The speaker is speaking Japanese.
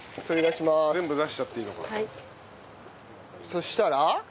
そしたら？